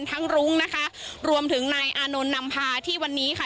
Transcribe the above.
รุ้งนะคะรวมถึงนายอานนท์นำพาที่วันนี้ค่ะ